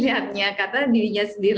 karena dirinya sendiri